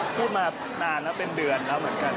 พูดมานานแล้วเป็นเดือนแล้วเหมือนกัน